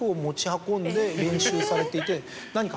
練習されていて何か。